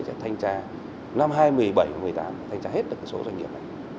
sẽ thanh tra năm hai nghìn một mươi bảy hai nghìn một mươi tám thanh tra hết được số doanh nghiệp này